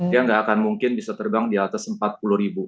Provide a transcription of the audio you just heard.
dia nggak akan mungkin bisa terbang di atas empat puluh ribu